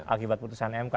akibat keputusan mk